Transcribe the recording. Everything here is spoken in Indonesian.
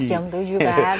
pas jam tujuh kan